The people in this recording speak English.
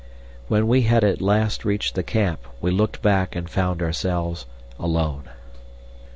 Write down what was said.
When we had at last reached the camp, we looked back and found ourselves alone.